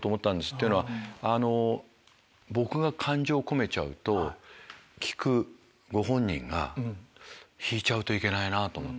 っていうのは僕が感情込めちゃうと聞くご本人が引いちゃうといけないなぁと思って。